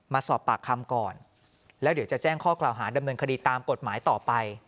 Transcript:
มาสอบปากคำก่อนแล้วเดี๋ยวจะแจ้งข้อกล่าวหาดำเนินคดีตามกฎหมายต่อไป